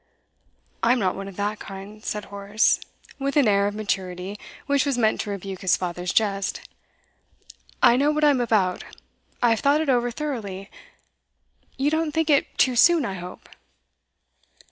'I'm not one of that kind,' said Horace, with an air of maturity which was meant to rebuke his father's jest. 'I know what I'm about. I've thought it over thoroughly. You don't think it too soon, I hope?